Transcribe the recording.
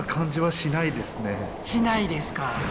しないですか。